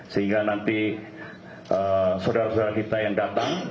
sehingga nanti saudara saudara kita yang datang